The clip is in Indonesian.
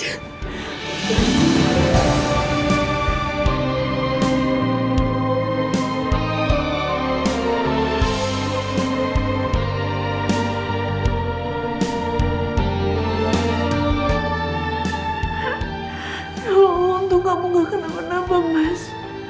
ya allah untuk kamu gak kena apa apa mas